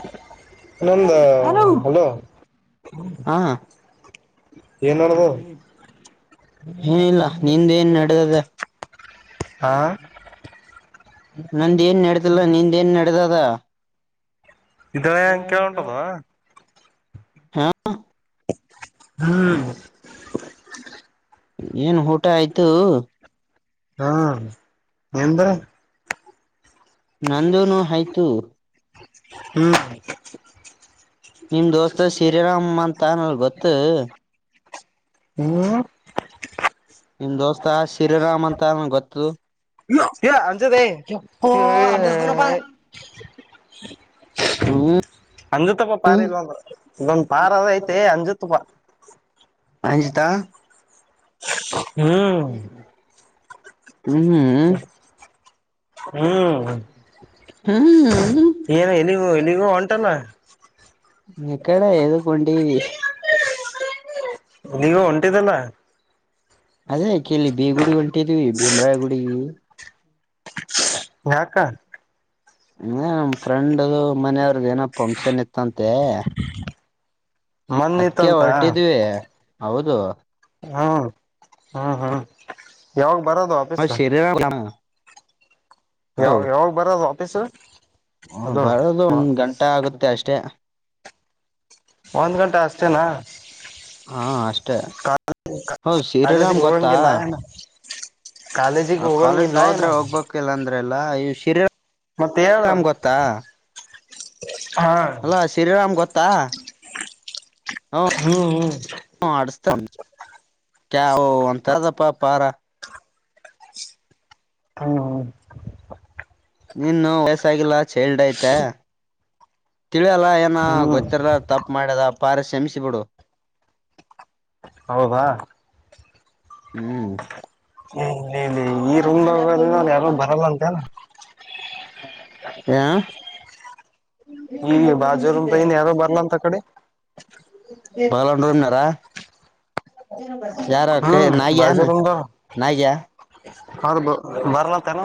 [inaudible] ಇನಂದ hello ಹಾ ಏನ್ ನಡದದ ಏನಿಲ್ಲ ನಿಂದೇನ್ ನಡೆದದ ಹಾ ನಂದೇಏನ್ ನಡದಿಲ್ಲ ನಿಂದೇಏನ್ ನಡೆದದ ಇದ್ ಹೆಂಗ್ ಕೇಳ್ ಹೊಂಟಾದೋ ಹಾ ಹ್ಮ್ ಏನ್ ಊಟ ಆಯ್ತು ಹಾ ನಿಂದ ನಂದೂನು ಆಯ್ತು ಹ್ಮ್ ನಿಮ್ ದೋಸ್ತ ಶ್ರೀರಾಮ ಅಂತ ಆನಲ್ ಗೊತ್ತು ಹ್ಮ್ ನಿಮ್ ದೋಸ್ತ ಶ್ರೀರಾಮ್ ಅಂತ ಆನ ಗೊತ್ತದು ಕ ಅಚತೆ ಹ್ಮ ಅಂಜತ್ತಪ್ಪ ಪಾರ್ ಇಲ್ಲೊಂದು ಇದೊಂದ್ ಪಾರ್ ಅದ ಐತೆ ಅಂಜತ್ತಪ್ಪ ಅಂಜಿತಾ ಹ್ಮ್ ಹ್ಮ ಹ್ಮ್ ಹ್ಮ್ ಹ್ಮ ಹ್ಮ್ ಹ್ಮ್ ಏನು ಎಲ್ಲಿಗೂ ಎಲ್ಲಿಗೂ ಹೊಂಟಾನ ಹ್ಮ್ ಎದುಕ್ ಹೊಂಟಿದಿ ನೀವು ಹೊಂಟಿದಲ್ಲ ಅದೇ ಕಿಲ್ಲಿ ಬಿ ಗುಡಿ ಹೊಂಟಿದ್ವಿ ಭೀಮ್ರಾಯ ಗುಡಿಗಿ ಯಕ್ಕಾ ಹ ನ ಫ್ರೆಂಡ್ ಮನೆಯವ್ರದ ಏನ ಫಂಕ್ಷನ್ ಇತ್ತಂತೆ ಮನ್ ಅದ್ಕೆ ಇತ್ತಂತ ಹೊರಟಿದ್ವಿ ಹೌದು ಹ್ಮ್ ಹ್ಮ್ ಹ್ಮ್ ಯಾವಗ್ ಹ ಶರ್ಯಾನೂರದ ಯಾವ ಯಾವಾಗ ಬರದು ವಾಫೀಸು ಹ ಬರೋದು ಒಂದ್ ಗಂಟೆ ಆಗುತ್ತೆ ಅಷ್ಟೇ ಒಂದ್ ಗಂಟೆ ಅಷ್ಟೇನಾ ಹಾ ಅಷ್ಟೇ ಹೌದ ಶ್ರೀ ರಾಮ್ ಕಾಲೇಜಿಗೆ ಗೊತ್ತಾ ಹೋಗಂಗಿಲ್ಲ ಏನ ಕಾಲೇಜಿಗೆ ಆ ಕಾಲೇಜ್ ಹೋಗಂಗಿಲ್ಲ ಏನ ಹೋದ್ರೆ ಹೋಗ್ಬೇಕ್ ಇಲ್ಲ ಅಂದ್ರೆ ಇಲ್ಲ ಶ್ರೀ ಮತ್ತೆ ಹೇಳು ಶೀರಾಮ ಗೋತ್ತಾ ಹಾ ಅಲ ಶ್ರೀರಾಮ ಗೊತ್ತ ತ್ತಾ ಹ್ಮ್ ಹ್ಮ್ ಹ ಆಡಸ್ತ ಕ ಒ ತರದಪ್ಪ ಪಾರ ಹ್ಮ ಹ್ಮ ನೀನು ವಯಸ್ಸಾಗಿಲ್ಲ ಚೇಲ್ಡ್ಯತ ತಿಳಿಯಲ್ಲ ಏನ ಹ್ಮ್ ಗೊತ್ತಿರ ತಪ್ ಮಾಡ್ಯದ ಪಾರ ಶಮಿಸಿಬಿಡು ಹೌದಾ ಹ್ಮ್ ಇ ಇಲ್ಲ ಇಲ್ಲ ಈ ರೂಮ ಯಾರು ಬರಲ್ಲ ಅಂತೆೇನ ಈ ಬಾಜು ರೂಮ್ ದಾಗಿನ್ ಯಾರೋ ಬರ್ಲ ಅಂತ ಆಕಡಿ ಬಲನಾರಾ ಯಾರ ಹ್ಮ್ ನಿಯಾನ ನಿಯ ಹೌದು ಬರಲ ತನ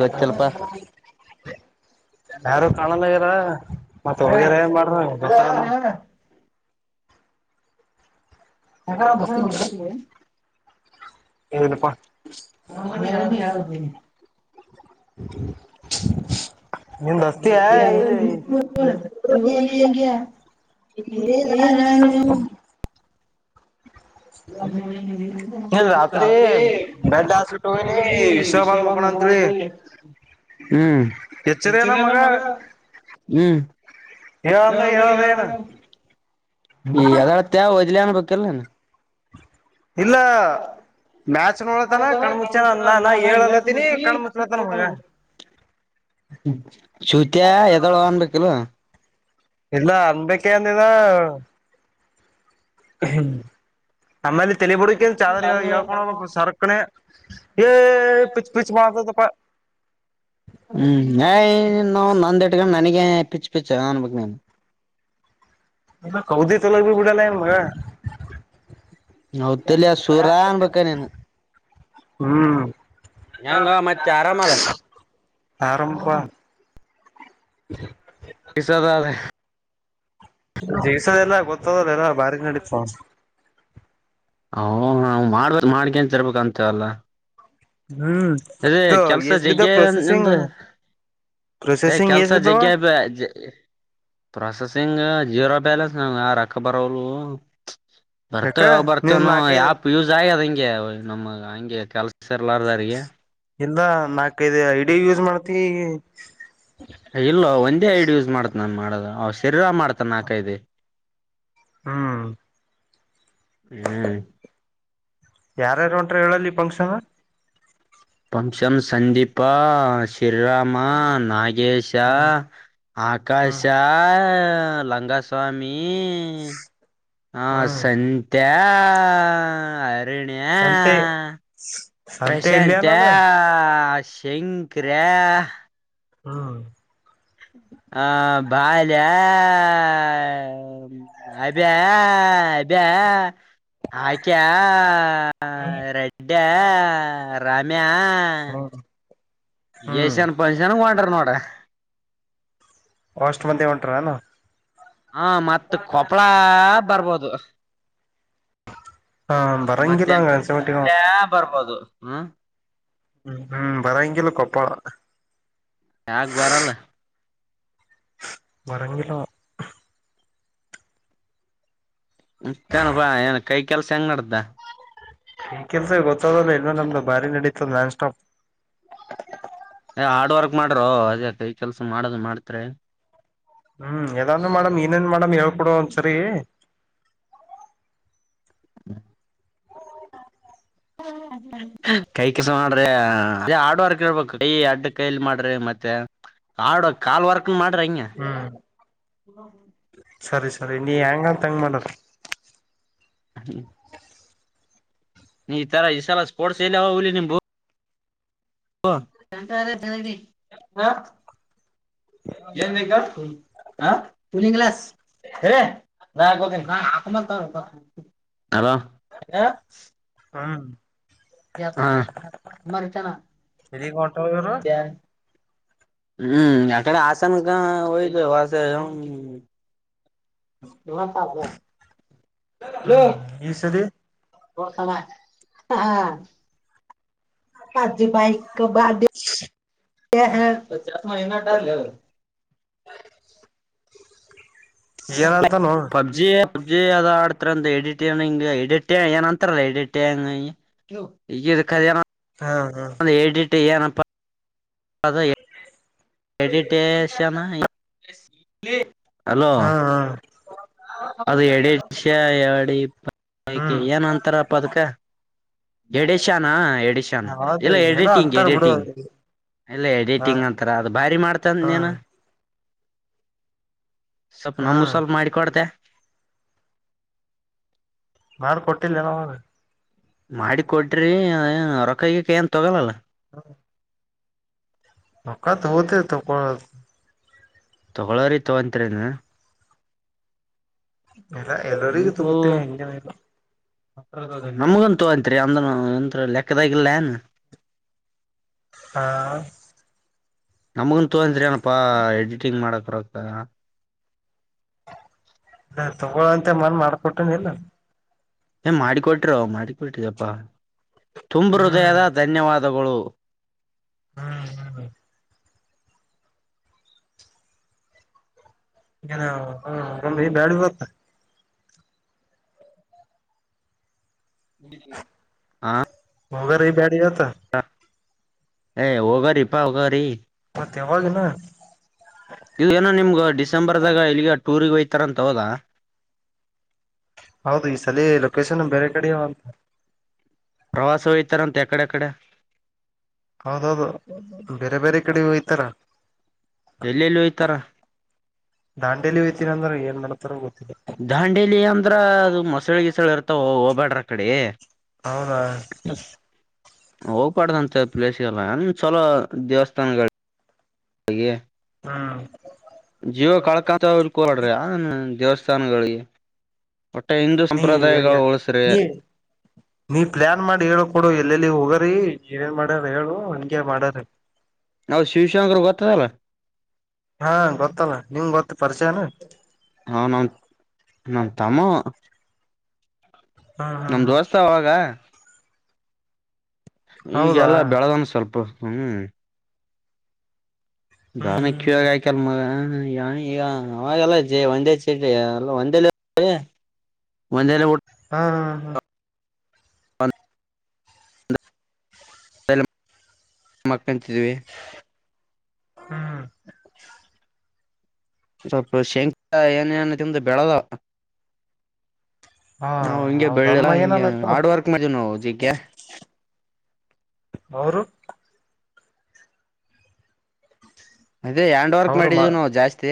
ಗೊತ್ತಿಲ್ಪ ಯಾರು ಕಾಣಲ್ಲಗಾರ ಮತ್ತೆ ಹೋಗರ ಏನ್ ಮಾಡ್ರ ಹ ಹೇಳ ಏನಪ್ಪ ಹ ಮಸ್ತಿ ಆ ಇಲ್ಲಿ ಎ ಕಾಲ ಹ ಹ್ಮ ರತ್ರಿ ಬೆಡ್ ಹಾಸ್ಬಿಟ್ಟ ಹೋಗಿನಿ ವಿಶ್ವ ಬಂದ್ ವಿಷಯಬ ಮುಕೊಂಡ ಹ್ಮ ಅಂತ್ರಿ ಹೆಚ್ಚನೆಲ್ಲ ಮಗ ಹ್ಮ. ಹೇಳಂದ ಅದ ಹೇಳದ ಏನ ಇದಳ ತ ಓದಿಲನ ಅನಬೇಕಲ್ಲ. ಇಲ್ಲ. ಮ್ಯಾಚ್ ನೋಡತನ ಕಣ ಮುಚ್ಚನ ಕಣ್ಮುಚ್ಚಾನ ನ ಅನ್ನ ನಾ ಹಿಂಗ ಎಳಳ್ಲತನಿ ಅಂದಿದ್ರಿ ಕಣ ಮುಚ್ಲತನ ಮಗ. [unintelligible] ಎದೊಳ ಅನ್ಬೇಕಲೋ. ಇಲ್ಲ ಅನ್ಬೇಕ ಅಂದಿನ [inaudible] ನಮ್ಮೇಲ್ಲ ತಲಿಬುಡಕ ಚಾದರಿ ಎಳ್ಕೊಂಡ ಸರಕಣ ಏ ಪಿಚ್ ಪಿಚ್ ಮಾಡ [inaudible] ಎ ಎ [unintelligible] ನಂದಟಕದ ನನಗೆೇ ಪಿಚ್ಚ ಪಿಚ್ಚ ಅನ್ಬೇಕ ನಿನ್ ಕೌದಿ ತಲಗ ಬಿಡಲ ಮಗ [unintelligible] ಸುರಾ ಅನ್ಬೇಕನಿನ ಹ್ಮ್ ಹೆಂಗ ಮತ್ತೆ ಆರಾಮಲ್ಲ. ಆರಂಪ [inaudible] ಕಿಸಾದ ಅದ ದಿವ್ಸ ಎಲ್ಲ ಗೊತ್ತದಲ್ಲ ಎಲ್ಲ ಬಾರಿಗ್ ನಡ ಹ ಮಾಡ್ಬ ಮಾಡ್ಕೇಂತ ಇರ್ಬೇಕ ಅಂತಲ್ಲ. ಹ್ಮ್ ಎ ಇದು ಕೆಲ್ಸ ಎಸ್ ಬಿದ ಜಗ್ಗಿ ನಿಂದ ಪ್ರೊಸೆಸಿಂಗ್ ಏ ಪ್ರೊಸೆಸಿಂಗ್ ಕೆಲ್ಸ ಎಸ್ ಬಿದ್ದಾವ ಜಗ್ಯ ಬ ಪ್ರಸೆಸಿಂಗ್ ಜೀರೋ ಬ್ಯಾಲೆನ್ಸ್ ನ ರಕ್ಕ ಬರಾವಲು. ಯಾಕ ಬರ್ತೇವ ಯಾವ ನೀನ್ ಬರ್ತೇನೂ ನಾಲ್ಕೈದು ಯಾಪ್ ಯೂಸ್ ಆಗಿ ಅದಂಗೆ ನಮ ಹಂಗೆ ಕೆಲ್ಸರ್ಲಾರದಾವರೀಗ ಇಂದ ನಾಕ ಐದ ಐಡಿ ಯೂಸ್ ಮಾಡ್ತಿ. ಇಲ್ಲ ಒಂದೇ ಐಡ್ ಯೂಸ್ ಮಾಡ್ತನ ಮಾಡದ ಅವ್ ಶರೀರ ಮಾಡ್ತಾಕೈದೆ. ಹ್ಮ. ಹ್ಮ್ ಯಾರ್ಯಾರುಂಟ್ರ ಹೇಳಲ್ಲಿ ಫಂಕ್ಷನ್. ಫುನ್ಕ್ಷನ್ ಸಂದೀಪ್ ಇರಾಮ ನಾಗೇಶೇ ಹ್ಮ್ ಆಕಾಶ. ಹ್ಮ್ ಲಂಗ ಸ್ವಾಮಿ ಹ ಹ್ಮ್ ಸಂತ್ಯಾ ಎ ಅರಿನ್ಯ ಸಂತೆ ಸಂತೆ ಇಲ್ಲಿಯ ಪ್ರಶಾಂತ್ಯಾ ನಾನು ಶಂಕರ್ಯಾ ಹ್ಮ. ಆ ಬಾಲ್ಯ ಅಬ್ಯಾ ಅಬ್ಯಾ ಅಕ್ಯಾ ರೆಡ್ಡ ರಾಮ್ಯ ಹ್ಮ. ಏಶನ್ ಪಂನ್ಷನ್ ವಡರ್ ನೋಡ. ಫಸ್ಟ್ ಮಂದಿ ವಂಟರಣ ಹಾ ಮತ್ತ ಕೊಪ್ಪಳ ಬರ್ಬೋದ. ಹ ಮತ್ತೆ ಬರಂಗಿಲ್ಲ ಅನ್ಸಮಟ್ಟಿ ಬರ್ಬೋದ ಹ್ಮ. ಹ್ಮ್ ಹ್ಮ ಬರಂಗಿಲ್ಲ ಕೊಪ್ಪ ಯಾಕ ಬರಲ್ಲ. ಬರಂಗಿಲ್ಲ ಆವಾ ಚನಪಾ ಏನ್ ಕೈ ಕೆಲ್ಸ ಹೆಂಗ್ ನಡ್ದ. ಕೆಲ್ಸ ಗೊತ್ತದಲ್ಲ ಇಲ್ಲ ನಮ್ದ ಬಾರಿ ನಡೀತದ ನಾನ್ ಸ್ಟಾಪ್ ಏ ಹಾರ್ಡ್ ವರ್ಕ್ ಮಾಡ್ರೋ ಅದ್ಯಾಕ ಈ ಕೆಲ್ಸ ಮಾಡದ ಮಾಡ್ತರೀ. ಹ್ಮ ಯದ್ರೂ ಮೇಡಮ್ ಇನೇನ್ ಮೇಡಮ್ ಹೇಳ್ ಕೊಡ ಒಂದ್ ಸರಿ. [inaudible] ಕೈ ಕೆಲ್ಸ ಮಾಡ್ರಿ ಅದ ಹಾಡ್ವರ್ಕ್ ಇಳ್ಬೇಕ ಕೈ ಅಡ್ಡ ಕೈಲಿ ಮಾಡ್ರಿ ಮತ್ತೆ ಕಾಡ ಕಾಲ್ ವರ್ಕ್ ಮಾಡ್ರ ಹಂಗ. ಹ್ಮ್ ಅರಿ ನೀ ಹೆಂಗ ತಂಗ ಮಾಡರಿ ಹ್ಮ ನೀ ಈ ತರ ಈ ಸಲ ಸ್ಪೋರ್ಟ್ಸ್ ಎಲ್ಲಿ ಹುಲಿ ನಿಂಬು ಹಂತ ಹ ಏನ್ ಹ ಕೂಲಿಂಗ್ ಕ್ಲಾಸ್ ಸ ನ ಹಾ ಹಾಕತ ಹಾ ಮರ್ತಣ ಎಲ್ಲಿಗ್ ಹೊಂಟವ ಇವ್ರು ಹ್ಮ್ ಆಕಡೆ ಆಸಾನ ಗಾ ಹದು ಆಸ ನಿ ಸಾಪಾ ಹಲೋ ಹ್ಮ್ ಈ ಸರಿ ಹಾ ರಾಜಾಜೆ ಬಾಯಕ ಬಾದ ಹ ಹ ಪ ಚಸ್ ಮ ಇನ್ನ ರ ಏನಂತಾನೋ ಪಬ್ಜಿ ಜಿ ಅ ಆಡ್ತಾರ ಎಡಿಟ್ ನ್ ಹಿಂಗ ಎಡಿಟ ಏನ್ ಅಂತಾರ ಎಡಿಟ್ಂಗ ಕ ಹಾ ಹಾ ಎಡಿಟ್ ಆದದ ಯ ಮೆಡಿಟೇಷನ್ ಹಾ ಹಾ ಅದು ಎಡಿ ದಷ ಎಡಿ ಪಕ ಹ್ಮ್ ಏನ್ ಅಂತಾರ ಪ ಅದಕ ಎಡಿಶಾನ ಎಡಿಶಾನ್ ಹೌದು ಇಲ್ಲ ಏನೋ ಎಡಿಟಿಂಗ್ ಅಂತಾರ ಬಿಡು ಎಡಿಟಿಂಗ್ ಇಲ್ಲ ಹಾ ಎಡಿಟಿಂಗ್ ಅಂತಾರ ಅದು ಭಾರಿ ಮಾಡ್ತನ್ ಹಾ ನೀನು ಸ್ವಲ್ಪ ಹಾ ನಮ್ಮ ಸ್ವಲ್ಪ ಮಾಡಿಕೊಡ್ತೆ ಮಾಡ ಕೊಟ್ಟಿಲ್ಲ ನಾವಾಗ ಮಾಡಿ ಕೊಡ್ರಿ ರೊಕ್ಕಗ ಕ ಏನ್ ತೊಗೊಲಲ್ಲ ನಕ ತ ಹದ ತಪ್ಪ ತಗೊಳೋರಿ ತ ಅತ್ರಿನು ಇಲ್ಲ ಅ ಎಲ್ಲರಿಗೂ ತಗೋತೀವಿ ಹಂಗೇನಿಲ್ಲ ನಮಗಂತು ಆಯಂತ ಅ ಅಂತ ಲೆಕ್ಕದ ಇಲ್ಲಯನ್ ಹಾ ನಮಗನ್ ತೋಂತ್ರರಿ ಏನಪ್ಪಾ ಎಡಿಟಿಂಗ್ ಮಾಡಕ್ರತ ಅ ತಗೊಳಂತೆ ಮನ್ ಮಾಡ್ಕೊಟನ ಇಲ್ಲ ಏ ಮಾಡಿಕೊಟ್ರೋ ಮಾಡಿಕೊಟ್ರಿದಪ್ಪಾ ತುಂಬ ಹ್ಮ್ ಹೃದಯದ ಧನ್ಯವಾದಗಳು ಹ್ಮ್ ಹ್ಮ್ ಹ್ಮ್ ಹ ಒ ಬ್ಯಾಡ ಬರುತ್ತ ಹಾ ಹಗ ರ ಈ ಬ್ಯಾಡಿಯ ಹ ಏ ಹೋಗರಿಪ್ಪಾ ಹೋಗರಿ ಮತ್ತೆ ಯಾವಾಗನ ಇ ಏನೋ ನಿಮ್ಗ ಡಿಸೆಂಬರ್ದಾಗ ಇಲ್ಲಿಗೆ ಟೂರ್ಗ್ ಒಯ್ತಾರ ಅಂತ ಹೋದ ಹೌದು ಈ ಸಲ ಲೊಕೇಶನ್ ಬೇರೆ ಕಡೆೆಯ ಪ್ರವಾಸ ಹೇತಾರೆ ಅಂತೆ ಎಕಡೆಕ್ಕಡೆ ಹೌದೌದು ಬೇರೆ ಬೇರೆ ಕಡೆ ಹಯ್ತಾರ ಎಲ್ಲೆಲ್ಲಿ ಹಯ್ತಾರ ದಾಂಡೇಲಿ ಹಯ್ತೀನ ಅಂದ್ರೆ ಏನ್ ಮಾಡತಾರ ಗೊತ್ತ ದಾಂಡೇಲಿ ಅಂದ್ರ ಅದು ಮೊಸಳೆ ಗೀಿಸಳ ಇರ್ತಾವ ಹೋಗಬ್ಯಾಡ್ರ ಕಡೆ ಹೌದ ಹೋಗ್ಾಡ್ದಂತ ಪ್ಲೇಸ್ಿಗೆಲ್ಲಮ ಚಲೋ ದೇವಸ್ಥಾನಗಳು ಹ್ಮ್ ಕ್ಕಾಂತ ಕೋಲಾಡ್ರಿ ದೇವಸ್ಥಾನಗಳಿಗೆ ಒಟ್ಟೆ ಹಿಂದೂ ನೀ ಸಂಪ್ರದಾಯಗಳು ಉಳಸ್ರಿ ನೀ ನೀ ಪ್ಲಾನ್ ಮಾಡಿ ಹೇಳ ಕೊಡು ಎಲ್ಲೆಲ್ಲಿ ಹೋಗರಿ ನೀನ್ ಮಾಡ್ಯಾರ ಹೇಳು ಹಂಗೆ ಮಾಡ್ಯಾರ ನ ಶಿವಶಂಕರ್ ಗೊತ್ತದಲ್ಲ ಹಾ ಗೊತ್ತಲ್ಲ ನಿಮ್ ಗೊತ್ತ ಪರಿಚಯನ ಹ ನಮ್ ನಮ್ ತಮ್ಮ ಹ್ಮ್ ಹ್ಮ್ ನಮ ಹ್ಮ್ ತೋರ್ತ ಅವಾಗ ಹೌದಾ ಈಗೆಲ್ಲಾ ಬೆಳೆದನ ಸ್ವಲ್ಪ ಹ್ಮ್ ದಾನಕ್ ಇಗ ಹ್ಮ್ ಆಯ್ಕಲ್ ಮರ ಹ್ಮ ಯ ಈಗ ಅವಾಗೆಲ್ಲ ಜ ಒಂದೇ ಚೀಟಲ್ಲ ಒಂದೇ ಒಂದೆಲ್ಲಟ್ಟ ಹಾ ಹಾ ಹನ್ ಅ ಮಕ್ಕಂತಿದೀವಿ ಹ್ಮ್ ಸ್ವಲ್ಪ ಶಂಖ ಏನೇನು ತಿಮ್ದ ಬೆಳದ ಹಾ ನಾವು ಹಿಂಗೆ ಬೆಳ್ಳ ಹೌದಮ್ಮ ಹ ಏನಲ್ಲಕ್ಕ ಹಾರ್ಡ್ ವರ್ಕ್ ಮ ನ ಜಕ್ಕೆ ಅವರು ಅದೇ ಹ್ಯಾಂಡ್ ವರ್ಕ್ ಅವರು ಮಾ ಮಾಡಿದ್ದೀವಿ ನಾವು ಜಾಸ್ತಿ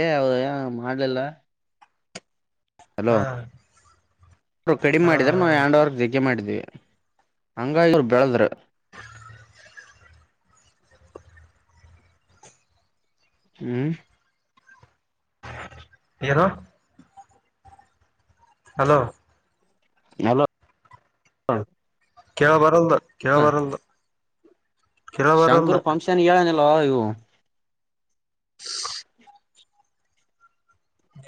ಅ ಮಾಡ್ಲಿಲ್ಲ ಹ್ಮ್ ಇರು ಕಡಿಮೆ ಮಾಡಿದ್ರ ನಾವು ಯಂಡವರ್ ಧಗೆ ಮಾಡಿದ್ವಿ ಹಂಗ ಇವರು ಬೆಳದ್ರರು ಹ್ಮ್ ಏನು ಹಲೋ ಹಲೋ ಕ ಬರಲ್ಲ ಕ ಬರಲ್ಲ ಶಂಕರ್ ಪಂಕ್ಷನ್ ಹೇಳನಲ್ವಾ ಇವು [inaudible]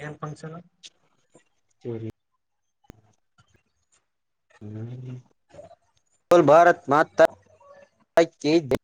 ನುಫಂಕ್ಷನ್ ಸರಿ ಸೋಲ್ ಭಾರತ್ ಮಾತ್ರ